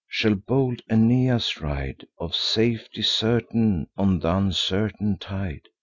Shall bold Aeneas ride, Of safety certain, on th' uncertain tide?